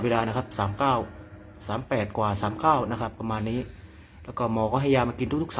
แล้วก็หมอก็ให้ยากินทุก๓